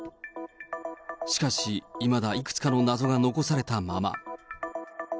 しかし、いまだいくつかの謎が残されたまま。